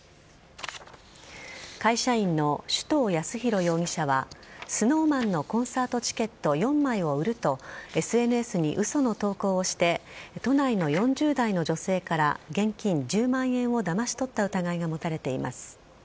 会社員の首藤康弘容疑者はＳｎｏｗＭａｎのコンサートチケット４枚を売るとＳＮＳに嘘の投稿をして都内の４０代の女性から現金１０万円をだまし取った疑いが持たれています。